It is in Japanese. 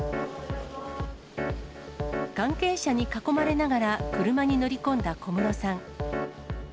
関係者に囲まれながら車に乗り込んだ小室さん。